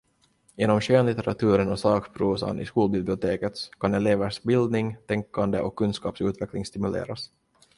Genom skönlitteraturen och sakprosan i skolbiblioteket kan elevers bildning, tänkande och kunskapsutveckling stimuleras.